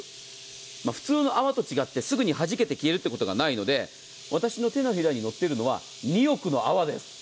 普通の泡と違ってすぐにはじけて消えることがないので私の手のひらに乗っているのは２億の泡です。